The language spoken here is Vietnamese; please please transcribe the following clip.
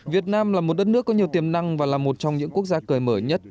việt nam là một đất nước có nhiều tiềm năng và là một trong những quốc gia cởi mở nhất